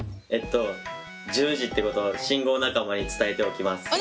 えっと１０時ってことを信号仲間に伝えておきます。